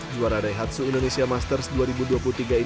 juara daihatsu indonesia masters dua ribu dua puluh tiga ini